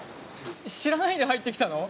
知らないで入ってきたの？